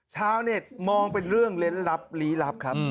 ชาวเน็ตมองเป็นเรื่องเล่นลับลี้ลับครับ